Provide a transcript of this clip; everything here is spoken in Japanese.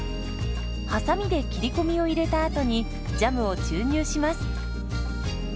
はさみで切り込みを入れたあとにジャムを注入します。